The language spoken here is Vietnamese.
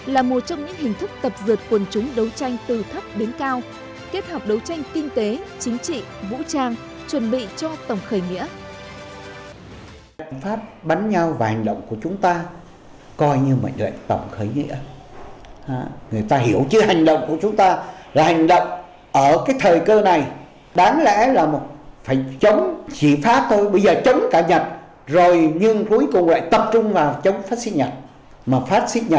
là một trong những hình thức tập dượt quân chúng đấu tranh từ thấp đến cao kết hợp đấu tranh kinh tế chính trị vũ trang chuẩn bị cho tổng khởi nghĩa